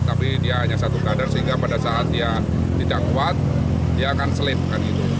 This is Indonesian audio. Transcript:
tapi dia hanya satu kader sehingga pada saat dia tidak kuat dia akan slip kan gitu